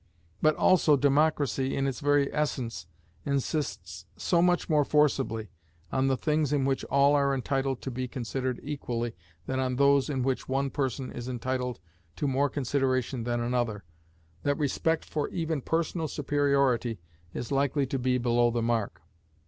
But also democracy, in its very essence, insists so much more forcibly on the things in which all are entitled to be considered equally than on those in which one person is entitled to more consideration than another, that respect for even personal superiority is likely to be below the mark.